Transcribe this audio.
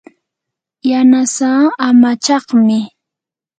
yanasaa amachaqmi.